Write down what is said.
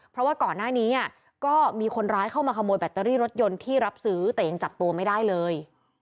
เพราะว่าก่อนหน้านี้ก็มีคนร้ายเข้ามาขโมยแบตเตอรี่รถยนต์ที่รับซื้อแต่ยังจับตัวไม่ได้เลย